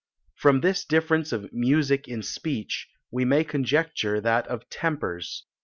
"From this difference of MUSIC in SPEECH, we may conjecture that of TEMPERS.